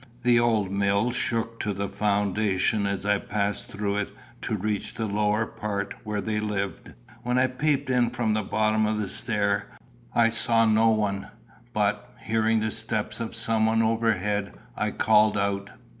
The old mill shook to the foundation as I passed through it to reach the lower part where they lived. When I peeped in from the bottom of the stair, I saw no one; but, hearing the steps of someone overhead, I called out.